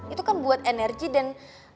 itu kan buat energi dan